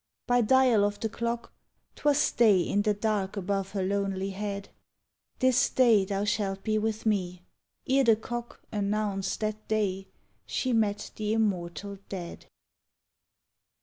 By dial of the clock 'Twas day in the dark above her lonely head. "This day thou shalt be with Me." Ere the cock Announced that day she met the Immortal Dead.